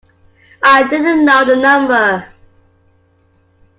I did not know the number.